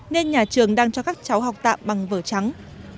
nên nhà trường đang cho các cháu học tạm bằng vở trắng